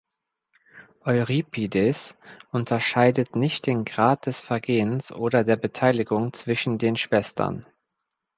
Euripides unterscheidet nicht den Grad des Vergehens oder der Beteiligung zwischen den Schwestern.